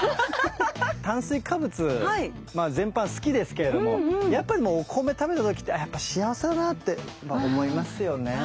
炭水化物まあ全般好きですけれどもやっぱりもうお米食べた時ってあやっぱ幸せだなって思いますよね。